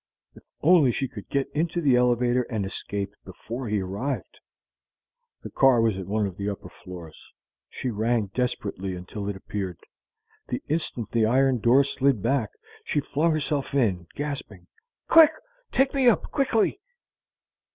If only she could get into the elevator and escape before he arrived! The car was at one of the upper floors. She rang desperately until it appeared. The instant the iron door slid back, she flung herself in, gasping: "Quick! Take me up quickly!"